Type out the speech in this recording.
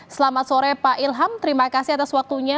selamat sore pak ilham terima kasih atas waktunya